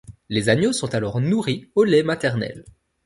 Les agneaux sont alors nourris au lait maternel.